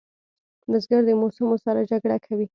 بزګر د موسمو سره جګړه کوي